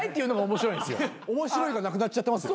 面白いがなくなっちゃってます。